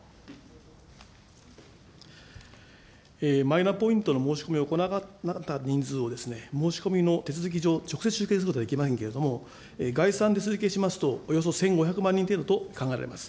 マイナポイントの申し込みを行わなかった人数を、申し込みの手続き上、直接集計することはいけませんけれども、概算で推計しますと、およそ１５００万人程度と考えられます。